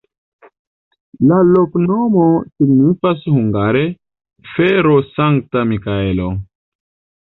La loknomo signifas hungare: fero-Sankta Mikaelo.